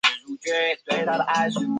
我那冷漠的口气为妳温柔